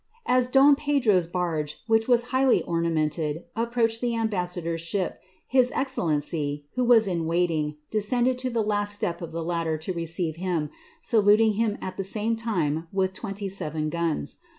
As Pedro^s barge, which was highly ornamented, approached the am idor^s ship, his excellency, who was in waiting, descended to the step of the ladder to receive him, saluting him at the same time twenty seven guns.